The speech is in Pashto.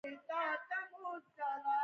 ایا د درد پټۍ مو لګولې ده؟